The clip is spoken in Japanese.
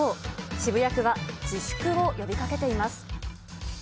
渋谷区は自粛を呼びかけています。